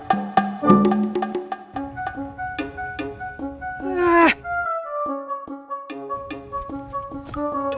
loh betul juga itu mat